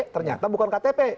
ternyata bukan ktp